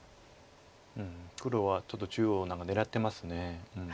黒はちょっと中央何か狙ってます。